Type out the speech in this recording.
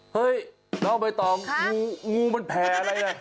เฮ้ยน้องเบย์ตอมงูมันแผลอะไรนะ